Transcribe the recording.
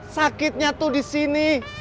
sakitnya tuh di sini